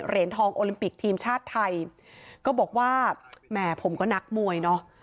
เหรียญทองโอลิมปิกทีมชาติไทยก็บอกว่าแหมผมก็นักมวยเนอะ